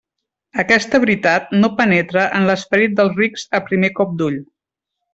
Aquesta veritat no penetra en l'esperit dels rics a primer cop d'ull.